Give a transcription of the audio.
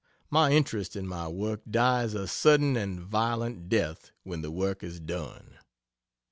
My interest in my work dies a sudden and violent death when the work is done.